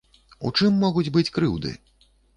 У чым могуць быць крыўды?